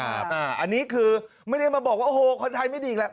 อันนี้คือไม่ได้มาบอกว่าโอ้โหคนไทยไม่ดีอีกแล้ว